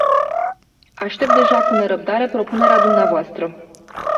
Aștept deja cu nerăbdare propunerea dumneavoastră.